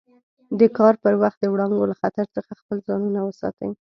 د کار پر وخت د وړانګو له خطر څخه خپل ځانونه وساتي.